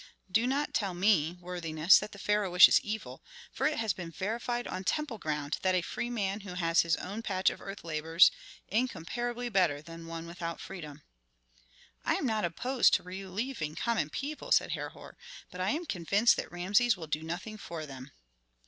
Do not tell me, worthiness, that the pharaoh wishes evil, for it has been verified on temple ground that a free man who has his own patch of earth labors incomparably better than one without freedom." "I am not opposed to relieving common people," said Herhor, "but I am convinced that Rameses will do nothing for them."